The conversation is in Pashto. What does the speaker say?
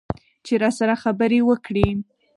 چې راسره خبرې وکړي.